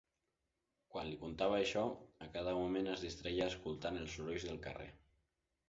Quan li contava això, a cada moment es distreia escoltant els sorolls del carrer.